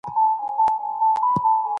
صدقه د مال زکات دی.